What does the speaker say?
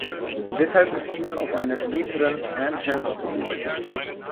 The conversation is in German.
Deshalb erschien er auf einer späteren „Enhanced Edition“.